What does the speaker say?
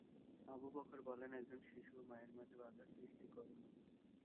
Abu Bakr বলেন, "একজন শিশু ও মায়ের মাঝে বাঁধা সৃষ্টি করোনা।"